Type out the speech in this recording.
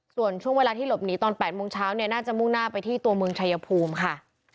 ส่วนช่วงเวลาที่หลบหนีตอน๘โมงเช้าเนี่ยน่าจะมุ่งหน้าไปที่ตัวเมืองชายภูมิค่ะ